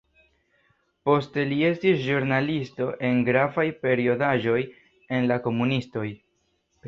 Poste li estis ĵurnalisto en gravaj periodaĵoj de la komunistoj.